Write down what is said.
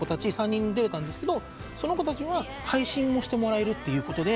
３人出られたんですけどその子たちは配信もしてもらえる。